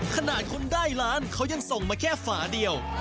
ขนาดคนได้ล้านเขายังส่งมาแค่ฝาเดียว